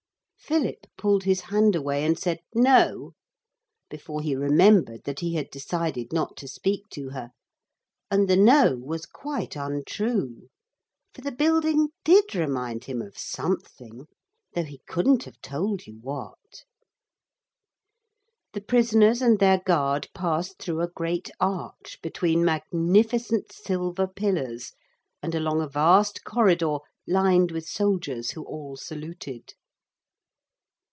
Philip pulled his hand away and said 'No' before he remembered that he had decided not to speak to her. And the 'No' was quite untrue, for the building did remind him of something, though he couldn't have told you what. The prisoners and their guard passed through a great arch between magnificent silver pillars, and along a vast corridor, lined with soldiers who all saluted.